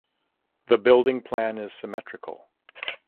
The building plan is symmetrical.